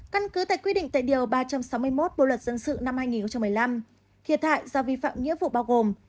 căn cứ tại quy định tại điều ba trăm sáu mươi một bộ luật dân sự năm hai nghìn một mươi năm thiệt hại do vi phạm nghĩa vụ bao gồm